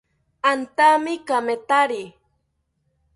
Antami kamethari